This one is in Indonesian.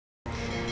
aku sudah tahu